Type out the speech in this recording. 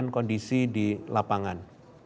kepada kondisi di lapangan